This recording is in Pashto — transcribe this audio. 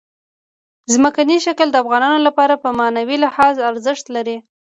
ځمکنی شکل د افغانانو لپاره په معنوي لحاظ ارزښت لري.